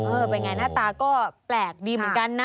เป็นไงหน้าตาก็แปลกดีเหมือนกันนะ